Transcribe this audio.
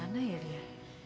kemana ya dia